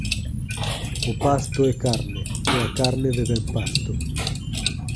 O pasto é carne, e a carne devén pasto.